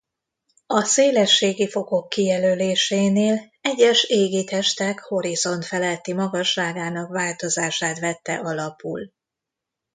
A szélességi fokok kijelölésénél egyes égitestek horizont feletti magasságának változását vette alapul.